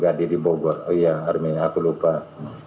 lalu dia berkata kuremah keluar